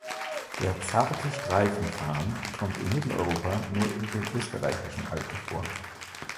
Der Zarte Streifenfarn kommt in Mitteleuropa nur in den österreichischen Alpen vor.